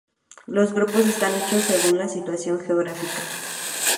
Los grupos están hechos según la situación geográfica.